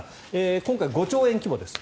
今回、５兆円規模です。